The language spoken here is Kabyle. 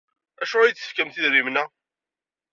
Acuɣer i iyi-d-tefkamt idrimen-a?